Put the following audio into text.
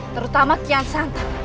terutama kian santang